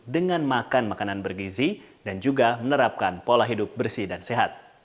dengan makan makanan bergizi dan juga menerapkan pola hidup bersih dan sehat